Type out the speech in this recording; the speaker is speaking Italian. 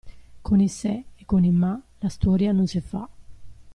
Con i se e con i ma la storia non si fa.